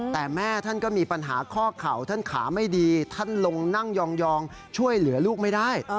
แต่แม่ท่านก็มีปัญหาข้อเข่าท่านขาไม่ดีท่านลงนั่งยองช่วยเหลือลูกไม่ได้